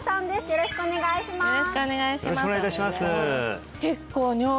よろしくお願いします